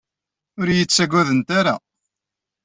Ur iyi-ttagadent ara.